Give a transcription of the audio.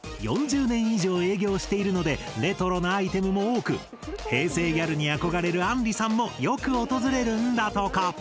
４０年以上営業しているのでレトロなアイテムも多く平成ギャルに憧れるあんりさんもよく訪れるんだとか。